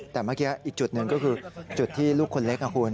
แต่เมื่อกี้อีกจุดหนึ่งก็คือจุดที่ลูกคนเล็กนะคุณ